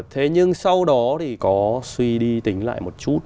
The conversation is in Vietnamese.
thế nhưng sau đó thì có suy đi tính lại một chút